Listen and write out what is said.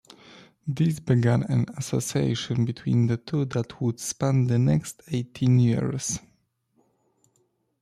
This began an association between the two that would span the next eighteen years.